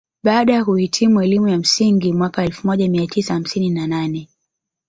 Baada ya kuhitimu elimu ya msingi mwaka elfu moja mia tisa hamsini na nane